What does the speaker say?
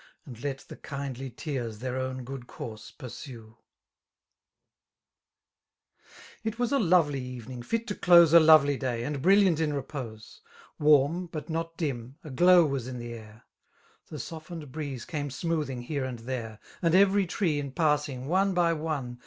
And let the kindly tears their own :good course pursiie, It was a lovely evenings fit to dose A lovely day».and brilliant in repose. >.''. Warm, bat not dini> a glow was in the air; The sctfiteQed breeze came smoothing here and there; And every tree, in passing, one by one.